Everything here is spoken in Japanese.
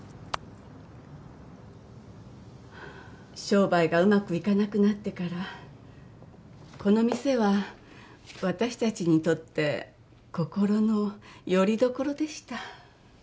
商売がうまくいかなくなってからこの店は私たちにとって心のよりどころでした